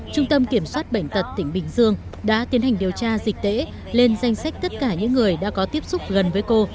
trung tâm kiểm soát bệnh tật tỉnh bình dương đã tiến hành điều tra dịch tễ lên danh sách tất cả những người đã có tiếp xúc gần với cô